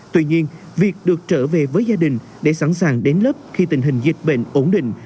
tuy nhiên việc được trở về với gia đình để sẵn sàng đến lớp khi tình hình dịch bệnh ổn định